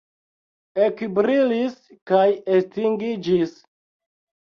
Ekbrilis kaj estingiĝis.